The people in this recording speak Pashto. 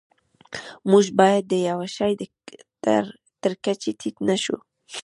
موږ باید د یوه شي تر کچې ټیټ نشو.